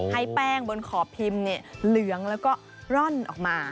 ให้แป้งบนขอบพิมพ์เหลืองแล้วก็ร่อนออกมา